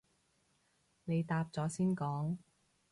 你答咗先講